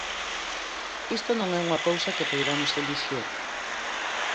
Isto non é unha cousa que poidamos elixir.